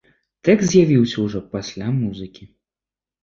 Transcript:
Тэкст з'явіўся ўжо пасля музыкі.